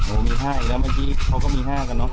โอ้โหมี๕อีกแล้วเมื่อกี้เขาก็มี๕กันเนอ